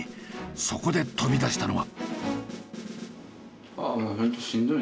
そこで飛び出したのは。